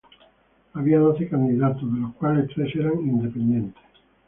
Había doce candidatos, de los cuales tres eran independientes.